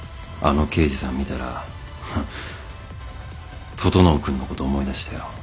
あの刑事さん見たら整君のこと思い出したよ。